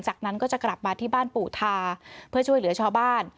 จากนั้นก็จะกลับมาที่บ้านปู่ทาเพื่อช่วยเหลือชาวบ้าน